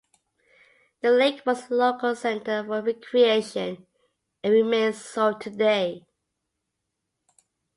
The lake was a local center for recreation and remains so today.